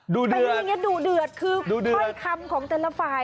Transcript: ดูเดือดดูเดือดคือค่อยคำของแต่ละฝ่าย